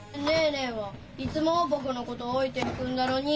姉えはいつも僕のこと置いていくんだのに。